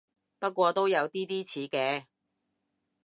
不過都有啲啲似嘅